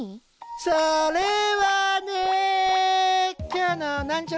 それはね。